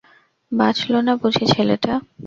বাঁচল না বুঝি ছেলেটা?